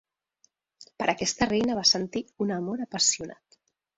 Per aquesta reina va sentir un amor apassionat.